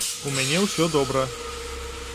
У мяне ўсё добра.